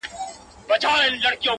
• نه مي غاښ ته سي ډبري ټينگېدلاى,